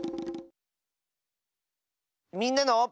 「みんなの」。